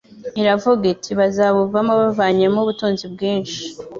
Iravuga iti: «bazabuvamo bavanyemo ubutunzi bwinshi»